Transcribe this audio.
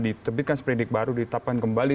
ditebitkan sprinting baru ditapkan kembali